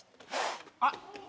あっ！